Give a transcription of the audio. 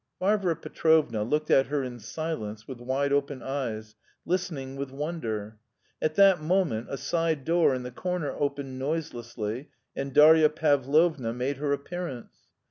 Varvara Petrovna looked at her in silence, with wide open eyes, listening with wonder. At that moment a side door in the corner opened noiselessly, and Darya Pavlovna made her appearance.